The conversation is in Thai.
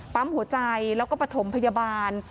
ปั๊มหัวใจแล้วก็ปฐมพยาบาล